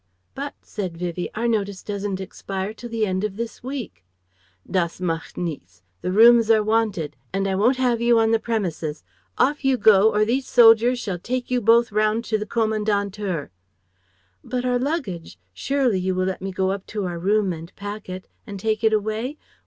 "But," said Vivie, "our notice doesn't expire till the end of this week...!" "Das macht nichts. The rooms are wanted and I won't have you on the premises. Off you go, or these soldiers shall take you both round to the Kommandantur." "But our luggage? Surely you will let me go up to our room and pack it and take it away?